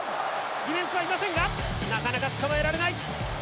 ディフェンスはいませんがなかなか捕まえられない。